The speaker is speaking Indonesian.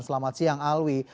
selamat siang alwi